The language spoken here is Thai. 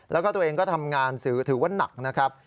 แล้วก็ตัวเองก็ทำงานสื่อถือว่าหนักนะครับ